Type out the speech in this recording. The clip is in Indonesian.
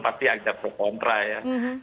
pasti agak pro kontra ya